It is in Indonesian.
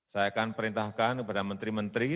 saya akan perintahkan kepada menteri menteri